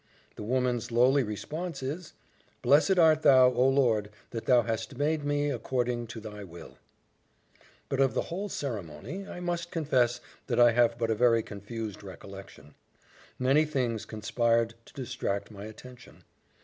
The woman's lowly response is, "Blessed art thou, O Lord! that thou hast made me according to thy will." But of the whole ceremony I must confess that I have but a very confused recollection. Many things conspired to distract my attention.